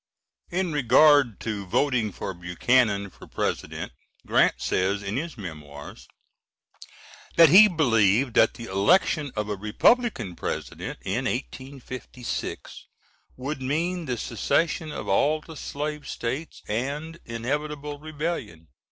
[In regard to voting for Buchanan for President, Grant says in his Memoirs that he believed that the election of a Republican President in 1856 would mean the secession of all the slave States and inevitable rebellion.